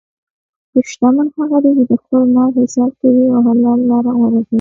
شتمن هغه دی چې د خپل مال حساب کوي او حلال لاره غوره کوي.